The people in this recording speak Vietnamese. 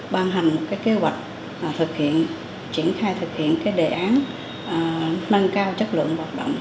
ban hành một kế hoạch triển khai thực hiện đề án nâng cao chất lượng hoạt động